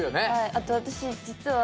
あと私実は。